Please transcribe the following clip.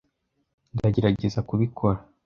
Ndagerageza kubikora.